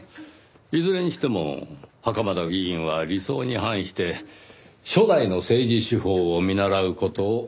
いずれにしても袴田議員は理想に反して初代の政治手法を見習う事を求められた。